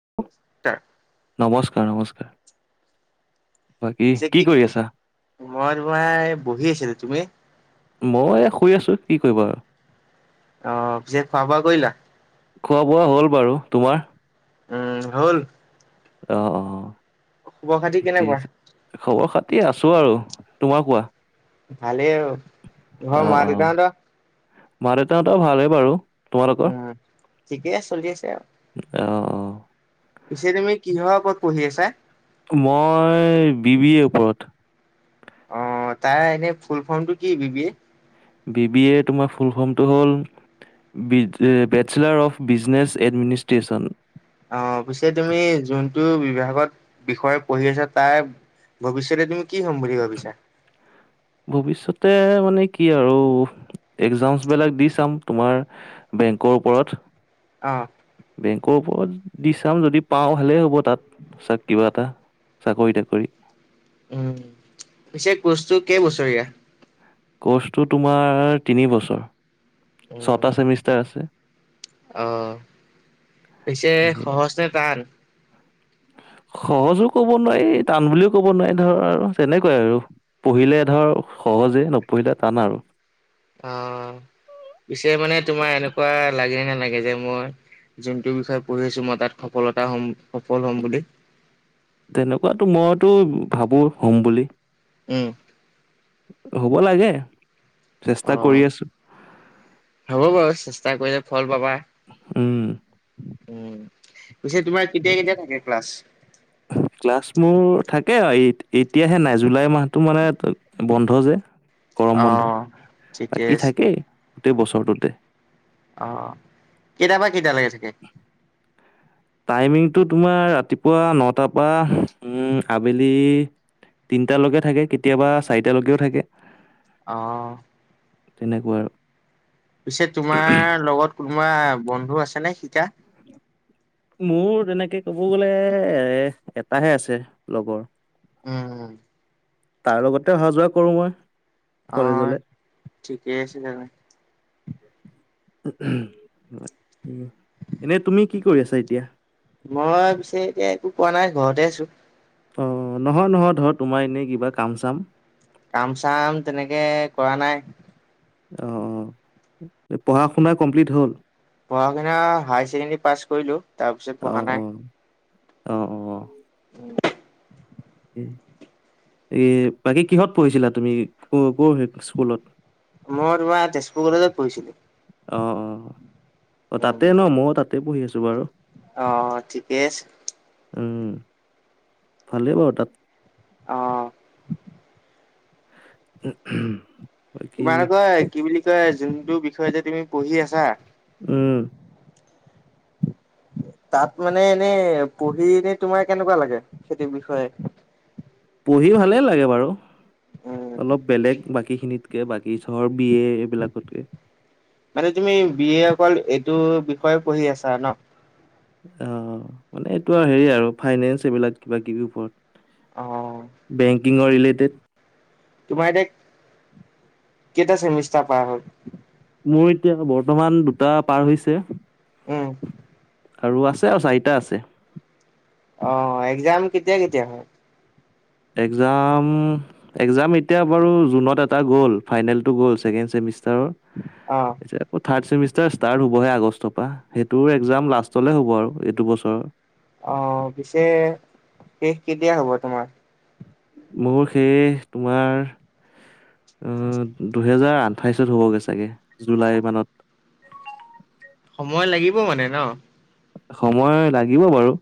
[unintelligible] নমস্কাৰ নমস্কাৰ। বাকী যে কি, কৰি আছা মই তোমাৰ বহি আছিলো, তুমি? মই শুই আছো কি কৰিব আৰু। অ, যে খোৱা - বোৱা কৰিলা? খোৱা বোৱা হ'ল বাৰু, তোমাৰ? উম হ'ল। অ অ, খবৰ খাতি ঠিকেই কেনেকুৱা আছে। খবৰ খাতি আছো আৰু, তোমাৰ কোৱা? ভালে আৰু তোমাৰ অ মা - অ দেউতাহঁতৰ? মা - দেউতাহতৰ ভালে বাৰু। তোমালোকৰ উম ঠিকেই চলি আছে আৰু। অ অ পিছে তুমি কিহৰ ওপৰত পঢ়ি আছা? তো মই বি বি এ ওপৰত। অ তাৰ এনেই ফুল ফৰ্মটো কি B B A? B B A তোমাৰ ফুল ফৰ্মটো হ'ল বিজ এ, বেচেলাৰ অফ বিজনেছ এডমিনিষ্ট্ৰেচন। অ' পিছে তুমি যোনটো বিভাগত বিষয় পঢ়ি আছা তাৰ ভৱিষ্যতে তুমি কি হ'ম বুলি ভাবিছা? ভৱিষ্যতে মানে কি আৰু এক্সামছবিলাক দি চাম তোমাৰ বেংকৰ ওপৰত। অ বেংকৰ ওপৰত দি চাম যদি পাওঁ ভালেই হ'ব তাত চাওঁ কিবা এটা। চাকৰি টাকৰি। উম, পিছে কচটো কেইবছৰীয়া? কৰ্চটো তোমাৰ তিনি বছৰ, উম ছটা ছেমিষ্টাৰ আছে। অ' পিছে সেয়ে সহজ নে টান? সহজো ক'ব নোৱাৰি টান বুলিও ক'ব নোৱাৰি ধৰ আৰু তেনেকুৱাই আৰু। পঢ়িলে ধৰ সহজে নপঢ়িলে টান আৰু। অ' পিছে মানে তোমাৰ এনেকুৱা লাগে নে নালাগে যে মই যোনটো বিষয়ে পঢ়ি আছোঁ মই তাত সফলতা হ'ম সফল হ'ম বুলি। তেনেকুৱাতো মইতো ভাবোঁ হ'ম বুলি। উম। হ'ব লাগে, অ চেষ্টা কৰি আছোঁ। হ'ব বাৰু চেষ্টা কৰিলে ফল পাবা। উম। উম, পিছে তোমাৰ কেতিয়া কেতিয়া থাকে ক্লাছ? ক্লাছ মোৰ থাকে আৰু এত-এতিয়াহে নাই জুলাই মাহটো মানে বন্ধ যে। গৰম অ বন্ধ, ঠিকে বাকী আছে থাকেই গোটেই বছৰটোতে। অ' কেইটাৰ পৰা কেইটালৈকে থাকে? টাইমিংটো তোমাৰ ৰাতিপুৱা নটাৰ পৰা উ, আবেলি তিনটালৈকে থাকে কেতিয়াবা চাৰিটালৈকেও থাকে। অ'। তেনেকুৱা আৰু। পিছে তোমাৰ লগত কোনোবা বন্ধু আছেনে শিকা? মোৰ তেনেকে ক'ব গ'লে এ, এটাহে আছে লগৰ। উম, উম। তাৰ লগতে অহা যোৱা কৰোঁ মই। কলেজলে। অ' ঠিকেই আছে তেনে। [inaudible] এনে তুমি কি কৰি আছা এতিয়া? মই পিছে এতিয়া একো কৰা নাই, ঘৰতে আছোঁ। অ' নহয় নহয়, ধৰ তোমাৰ এনেই কিবা কাম চাম? কাম চাম তেনেকে কৰা নাই। অ', অ'। পঢ়া শুনা কমপ্লিট হ'ল? পঢ়া শুনা হায়াৰ ছেকেণ্ডৰী পাছ কৰিলোঁ তাৰপিছত অ', পঢ়া নাই। অ', অ', অ'। [inaudible] এ, বাকী কিহত পঢ়িছিলা তুমি ক'ৰ ক'ৰ স্কুলত? মই তোমাৰ তেজপুৰ কলেজত পঢ়িছিলো। অ', অ'। অ' তাতে ন' মইও তাতে পঢ়ি আছোঁ বাৰু। অঁ' ঠিকেই আছে। উম' ভালেই বাৰু তাত। অঁ' উম, হুম'। তোমালোকৰ কি বুলি কয় যোনটো বিষয় এতিয়া তুমি পঢ়ি আছা- উম' তাত মানে এনেই পঢ়ি এনেই তোমাৰ কেনেকুৱা লাগে সেইটো বিষয়ে? পঢ়ি ভালে লাগে বাৰু উম অলপ বেলেগ বাকী খিনিত- বাকী ধৰ বি এ এইবিলাকতকে। মানে তুমি বি এ অকল এইটো বিষয়ে পঢ়ি আছা ন। অঁ, মানে এইটো আৰু হেৰি আৰু ফাইনেন্স এইবিলাক কিবা কিবি অ ওপৰত। বেংকিঙৰ ৰিলেটেড। তোমাৰ এতিয়া কেইটা চেমিষ্টাৰ পাৰ হ'ল? মোৰ এতিয়া বৰ্তমান দুটা পাৰ হৈছে। উম আৰু আছে আৰু চাৰিটা আছে। অঁ, এক্জাম কেতিয়া কেতিয়া হয়? এক্সাম- একজাম এতিয়া বাৰু জুনত এটা গ'ল ফাইনেলটো গ'ল ছেকেণ্মষ্টাৰৰ, - অঁ' ছে আকৌ থাৰ্ড চেমিষ্টাৰ ষ্টাৰ্ট হ'বহে আগষ্টৰ পৰা, সেইটোৰ এক্জাম লাষ্টলে হ'ব আৰু এইটো বছৰৰ। অঁ' পিছে শেষ কেতিয়া হব তোমাৰ? মোৰ শেষ তোমাৰ- অঁ, দুহেজাৰ আঠাইছত হ'বগে চাগে জুলাই মানত। সময় লাগিব মানে ন। সময় লাগিব বাৰু।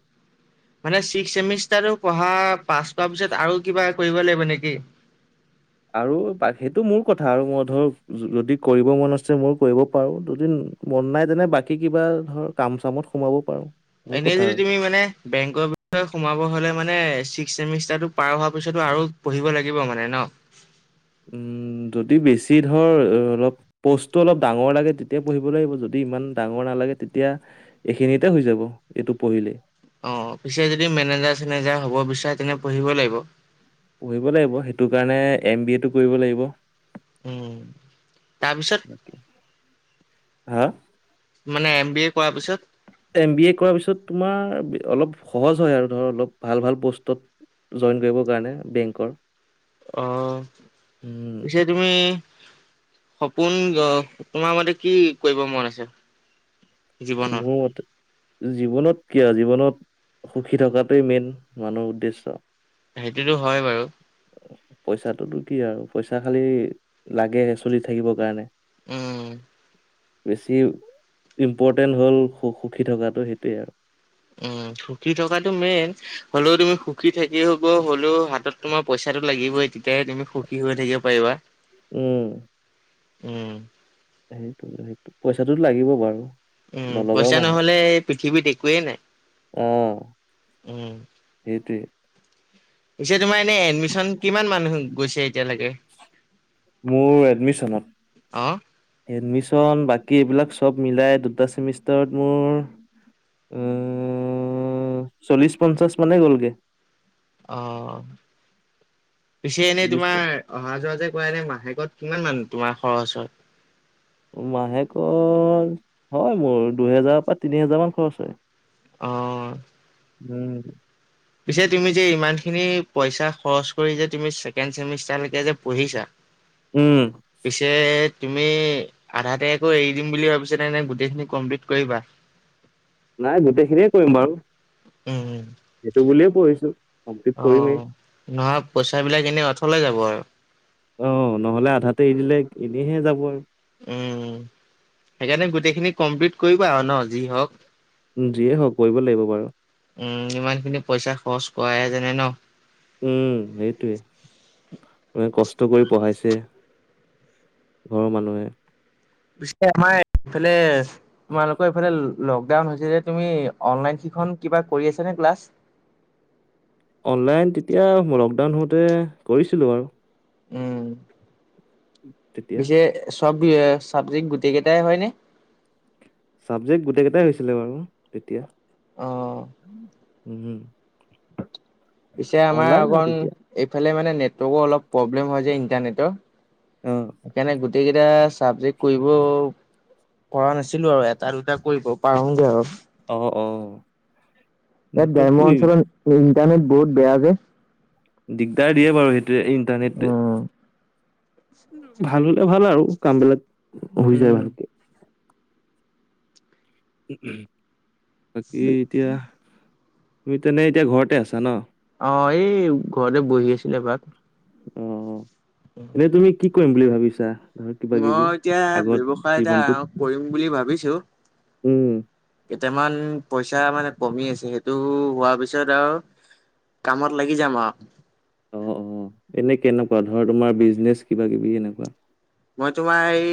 মানে ছিক্স চেমিষ্টাৰটো পঢ়া পাছ কৰা পিছত আৰু কিবা কৰিব লাগিব নেকি? আৰু পা সেইটো মোৰ কথা আৰু মই ধৰক যদি কৰিব মন আছে ময় কৰিব পাৰো, যদি- মন নাই তেনে বাকী কিবা ধৰ কাম চামত সোমাব পাৰো। এনেই যদি তুমি মানে বেংকৰ বিষয়ে সোমাব হলে মানে ছিক্স চেমিষ্টাৰটো- পাৰ হোৱা পিছতো আৰু পঢ়িব লাগিব মানে ন। উম' যদি বেছি ধৰ অলপ- প'ষ্টটো অলপ ডাঙৰ লাগে তেতিয়া পঢ়িব লাগিব, যদি ইমান ডাঙৰ নালাগে তেতিয়া- এইখিনিতে হৈ যাব, এইটো পঢ়িলেই। অঁ অঁ' পিছে যদি মেনেজাৰ চেনেজাৰ হ'ব বিচাৰে তেনে পঢ়িব লাগিব। পঢ়িব লাগিব। সেইটো কাৰণে এম বি এটো কৰিব লাগিব। উম' তাৰপিছত, - বাকি হাঁ। মানে এম বি এ কৰা পিছত- এম বি এ কৰাৰ পিছত তোমাৰ অলপ সহজ হয় আৰু ধৰ, অলপ ভাল ভাল পষ্টত- জইন কৰিবৰ কাৰণে বেংকৰ। অঁ' উম পিছে তুমি- সপোন অহ তোমাৰ মতে কি কৰিব মন আছে? জীৱনত? মও মতে- জীৱনত কিয় আও? জীৱনত সুখী থকাটোৱে মেইন মানুহৰ উদ্দেশ্য। সেইটোতো হয় বাৰু। পইচাটোতো কি আৰু পইচা খালি লাগে চলি থাকিবৰ কাৰণে। উম উম। বেছি ইম্পৰ্টেণ্ট হ'ল স সুখী থকাটো সেইটোৱেই আৰু উম সুখী থকাটো মেইন হ'লেও তুমি সুখী থাকি হ'ব হ'লেও হাতত তোমাৰ পইচাটো লাগিবই তেতিয়াহে তুমি সুখী হৈ থাকিব পাৰিবা। উম উম সেইটো সেইটো পইচাটো লাগিব বাৰু উম নলগাও পইচা নহয় নহ'লে পৃথিৱীত একোৱেই নাই উম। সেইটোৱেই। পিছে তোমাৰ এনে এডমিশন কিমান মানুহ গৈছে এতিয়ালৈকে মোৰ অ এডমিচনত এডমিশন বাকী এইবিলাক চব মিলাই দুটা চেমিষ্টাৰত মোৰ হুম চল্লিশ পঞ্চাশ মানে গ'লগে। অ পিছে এনেই চল্লিশ তোমাৰ পন- অহা যোৱা যে কৰা এনে মাহেকত কিমান মান তোমাৰ খৰচ হয়? মাহেকৰ হয় মোৰ দুহেজাৰৰ পৰা তিনি হেজাৰ মান খৰচ হয়। অঁ উম পিছে তুমি যে ইমান খিনি পইচা খৰচ কৰি যে তুমি ছেকেণ্ড চেমিষ্টাৰ লেকে যে পঢ়িছা। উম পিছে তুমি আধা আকো এৰি দিম বুলি ভাবিছা এনে গোটেইখিনি কমপ্লিট কৰিবা? নাই গোটেইখিনিয়ে কৰিম বাৰু। উম উম সেইটো বুলিয়ে পঢ়িছোঁ কমপ্লিট কৰিমেই। অ', নহয় পইচা বিলাক এনেই অথলে যাব আৰু অ নহ'লে আধাতে এৰি দিলে এনেহে যাব আৰু উম সেইকাৰণে গোটেইখিনি কমপ্লিট কৰিবা আৰু ন যি হওঁক উম যিয়ে হওঁক পঢ়িব লাগিব বাৰু উম ইমান খিনি পইচা খৰচ কৰাহে জানে ন উম সেইটোৱে মানে কষ্ট কৰি পঢ়াইছে। ঘৰৰ মানুহে। পিছে আমাৰ ইফালে তোমালোকৰ এইফালে লকডাউন হৈছে যে তুমি অনলাইন শিখন কিবা কৰি আছ নে ক্লাছ অনলাইন তেতিয়া লকডাউন হওঁতে কৰিছিলোঁ বাৰু উম তেতিয়া পিছে চব চাবজেক্ট গোটেই কেইটাই হয়নে? চাবজেক্ট গোটেই কেইটাই হৈছিলে বাৰু তেতিয়া অ'। উম হম পিছে আমাৰ অকণ এইফালে মানে নেটৱৰ্ক অলপ প্ৰব্লেম হয় যে ইন্টাৰনেটৰ। অ সেইকাৰণে গোটেই কেইটা চাবজেক্ট কৰিব পৰা নাছ আছিলো আৰু এটা দুটা কৰিব পাৰুগে আৰু অ অ ইয়াত নেটৱৰ্কটো গ্ৰাম্য অঞ্চলত ইণ্টাৰনেট বহুত বেয়া যে দিগদাৰ দিয়ে বাৰু সেইটোৱে উম। ইন্টাৰনেটোৱে ভাল হ'লে ভাল আৰু কাম বিলাক হৈ যায় উম। ভালকে। বাকী এতিয়া তুমি তেনে এতিয়া ঘৰতে আছা ন'? অ', এই ঘৰতে বহি আছিলোঁ এপাক। অ', এনেই তুমি কি কৰিম বুলি ভাবিছা? ধৰ কিবা কিবি মই এতিয়া আগত ব্যৱসায় এটা জীৱনটোত আৰম্ভ কৰিম বুলি ভাবিছোঁ। উম। কেইটামান পইচা মানে কমি আছে, সেইটো হোৱাৰ পিছত আৰু কামত লাগি যাম আৰু। অ', অ', এনে কেনেকুৱা ধৰ, তোমাৰ বিজনেচ কিবা কিবি এনেকুৱা? মই তোমাৰ এই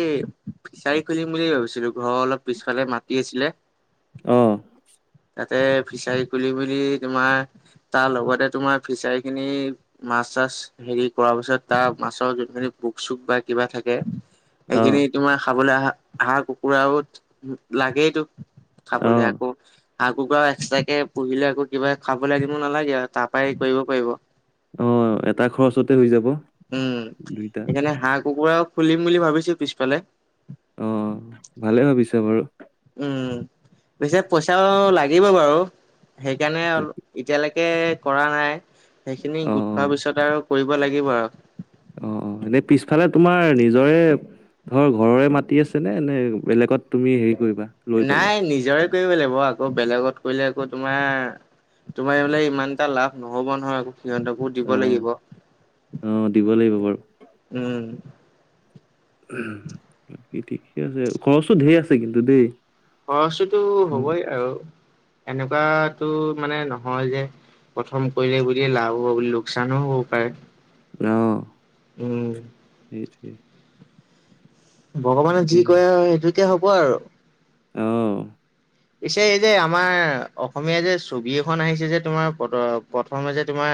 ফিচাৰী খুলিম বুলি ভাবিছিলো, ঘৰৰ অলপ পিছফালে মাতি আছিলে। অ'। তাতে ফিচাৰী খুলি বুলি তোমাৰ তাৰ লগতে তোমাৰ ফিচাৰী খিনি মাছ-চাছ হেৰি কৰাৰ পিছত তাৰ মাছৰ যোনখিনি বোক-চোক বা কিবা থাকে। অ সেইখিনি তোমাৰ খাবলৈ আহা হাঁহ কুকুৰাও লাগেইটো। অ খাবলৈ আকৌ হাঁহ, কুকুৰা এক্সট্ৰাকে পুহিলে আকৌ কিবা খাব লাগিব নালাগে আৰু তাৰ পৰাই হেৰি কৰিব পাৰিব। অ', এটা খৰচতে হৈ যাব। উম, দুইটা সেইকাৰণে হাঁহ, কুকুৰাও খুলিম বুলি ভাবিছো পিছফালে। অ', ভালে ভাবিছা বাৰু। উম, পিছে পইচাও লাগিব বাৰু সেইকাৰণে তাকে এতিয়ালৈকে কৰা নাই, সেইখিনি অ', গোট খোৱাৰ অ', পিছত আৰু কৰিব লাগিব আৰু। অ', অ', এনেই পিছফালে তোমাৰ নিজৰে ধৰ ঘৰৰে মাটি আছেনে নে, বেলেগত তুমি হেৰি কৰিবা? লৈ পেলাই নাই নিজৰে কৰিব লাগিব, আকৌ বেলেগত কৰিলে আকৌ তোমাৰ তোমাৰ এই বোলে ইমান এটা লাভ নহ'ব নহয়, আকৌ সিহঁত কো দিব অ', লাগিব, অ', দিব লাগিব বাৰু। উম। বাকী ঠিকে আছে, খৰচো ঢেৰ আছে কিন্তু দেই। খৰচটোতো হ'বই আৰু এনেকুৱো মানে নহয় যে প্ৰথম কৰিলে বুলি লাভ হ'ব বুলি, লোকচানো হ'ব পাৰে। অ', উম। সেইটোয়ে। ভগৱানে যি ক কৰে আৰু সেইটোকে হ'ব আৰু। অ'। পিছে এই যে আমাৰ অসমীয়া যে, ছবি এখন আহিছে যে তোমাৰ প্ৰথমে যে তোমাৰ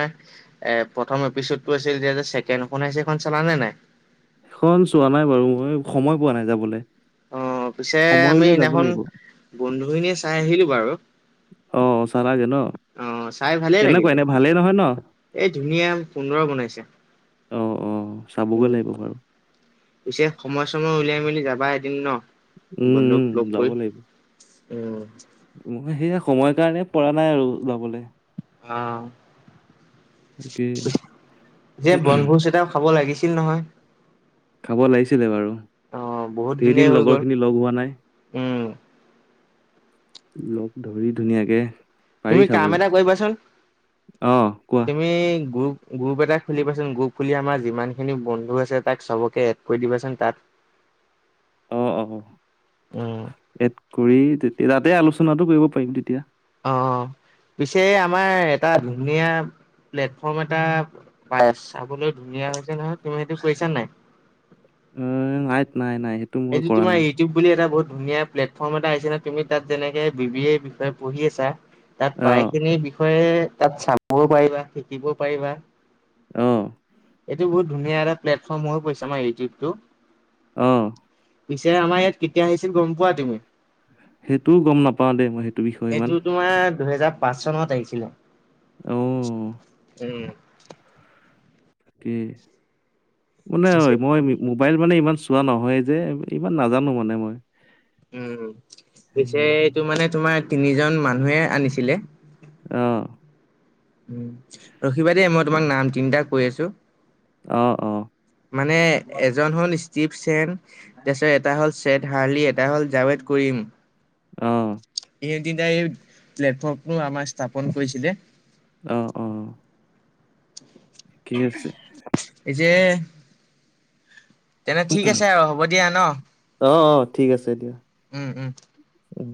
এ প্ৰথম এপিচড টো আছিল যে, ছেকেন্দ খন আহিছে সেইখন চালান নে নাই? খন চোৱা নাই বাৰু মই সময় পোৱা নাই যাবলৈ। অ', পিছে আমি সিদিনাখন বন্ধুখিনিয়ীয়ে চাই আহিলো বাৰু। অ', চালাগে ন' অ' চাই ভালে কেনেকুৱা লাগিলে এনেই ভালেই নহয় ন'? এই ধুনীয়া সুন্দৰ বনাইছে। অ', অ', চাবগৈ উম, লাগিব বাৰু। পিছে সময় সময় উলাই মেলি যাবা এদিন ন'! উম, বন্ধুক লগ উম, কৰি উম। মোৰ সেই সময়ৰ কাৰণেই পৰা নাই আৰু যাবলৈ। অ'। তাকে সে বনভোজ এটাও খাব লাগিছিল নহয়! খাব লাগিছিলে বাৰু অ' বহুত দিনেই ধেৰদিন হৈ গ'ল লগৰখিনি লগ হোৱা নাই। উম। লগ ধৰি ধুনীয়াকে। পাৰি তুমি কাম খাবলে এটা কৰিবাচোন, অ কোৱা তুমি গ। গ্ৰুপ এটা খুলিবাচোন, গ্ৰুপ খুলি আমাৰ যিমানখিনি বন্ধু আছে তাক চবকে এড কৰি দিবাচোন তাত। [inaudible] অ উম,। এড কৰি তাতে আলোচনাটো কৰিব পাৰিম তেতিয়া। অ', পিছে আমাৰ এটা ধুনীয়া। প্লেটফৰ্ম এটা বাছ চাবলৈ ধুনীয়া হৈছে নহয় তুমি সেইটো কৰিছা নাই। উম [unintelligible] নাই নাই ন। এইটো তোমাৰ। বুলি এটা বহুত ধুনীয়া প্লেটফৰ্ম এটাছে নে তুমি তাত যেনেকে বি এৰ বিষয়ে পঢ়ি আছা। তাত অ প্ৰায়খিনিৰ বিষয়ে তাত চাবও পাৰিবা শিকিবও পাৰিবা। অ',। বহু ধুনীয়া এটা প্লেটফৰ্ম হৈ পৰিছে আমাৰ ইউটিউতটো। অ'। পিছে আমাৰ ইয়াত কেতিয়া আহিছিল গম পোৱা তুমি? সেইটোও গম নাপাও দেই মই সেইটো বিষয়ে এইটো ইমান। তোমাৰ দুহেজাৰ পাঁচ চনত আহিছিলে। অ উম, এ কোনে হয়? পিছে মই। মোবাইল মানে ইমান চোৱা নহয় যে ইমান নাজানো মানে মই। উম' পিছে সেই এইটো মানে তোমাৰ তিনিজন মানুহে আনিছিলে। অ'। ৰখিবা দেই মই তোমাক নাম তিনিটা কৈ আছো। অ', অ',। মানে এজন হ'ল ষ্টিভ চেন। তাৰপিছত এটা হ'ল চছেদ হাৰ্লি, এটা হল জাৱেদ কৰিম। অ',। এই তিনিটাইয়ে এই প্লেটফৰ্ম আমাৰ স্থাপন কৰিছিলে। অ', অ',। কছে [unintelligible] এই যে। তেনে ঠিক আছে আৰু হ'ব দিয়া ন। অ', অ', ঠিক আছে দিয়া। উম উম,। উম।